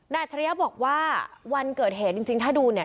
นาธารยักษ์บอกว่าวันเกิดเหตุจริงถ้าดูเนี่ย